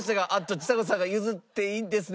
ちさ子さんが譲っていいんですね？